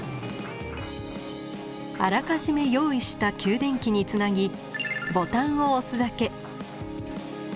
あらかじめ用意した給電機につなぎボタンを押すだけ。